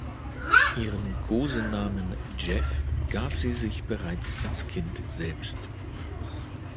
Ihren Kosenamen „Jeff“ gab sie sich bereits als Kind selbst.